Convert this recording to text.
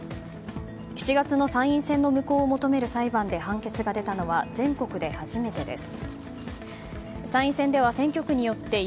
７月の参院選の無効を求める裁判で判決が出たのは全国で初めてです。